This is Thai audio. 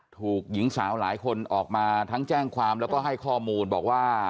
ถูกหญิงสาวหลายคนออกมาทั้งแจ้งความแล้วก็ให้ข้อมูลบอกว่า